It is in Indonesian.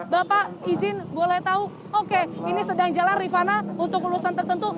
bapak izin boleh tahu oke ini sedang jalan rifana untuk urusan tertentu